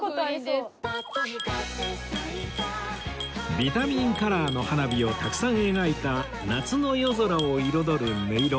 ビタミンカラーの花火をたくさん描いた夏の夜空を彩る音色